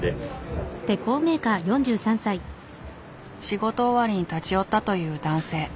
仕事終わりに立ち寄ったという男性。